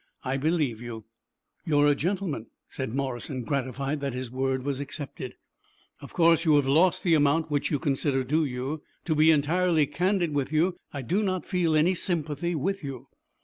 "I believe you." "You're a gentleman," said Morrison, gratified that his word was accepted. "Of course you have lost the amount which you consider due you. To be entirely candid with you, I do not feel any sympathy with you.